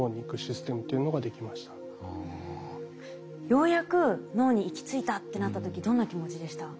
ようやく脳に行き着いたってなった時どんな気持ちでした？